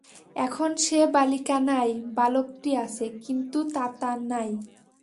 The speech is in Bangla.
এখন সে বালিকা নাই–বালকটি আছে, কিন্তু তাতা নাই।